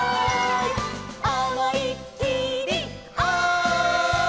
「思いっきりおい！」